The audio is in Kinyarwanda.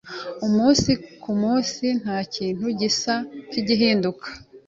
Umunsi kumunsi ntakintu gisa nkigihinduka